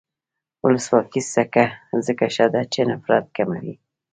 ولسواکي ځکه ښه ده چې نفرت کموي.